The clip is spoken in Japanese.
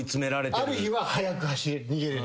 ある日は速く逃げれる。